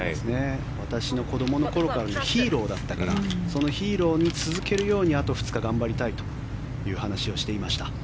私の子どもの頃からのヒーローだったからそのヒーローに続けるようにあと２日頑張りたいと話していました。